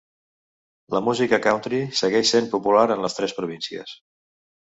La música country segueix sent popular en les tres províncies.